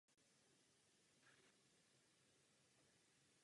Vypráví o muži jménem Lee Anderson.